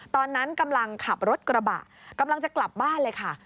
ตอนนั้นกำลังขับรถกระบะกำลังจะกลับบ้านเลยค่ะ